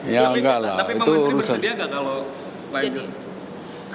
tapi pak menteri bersedia gak kalau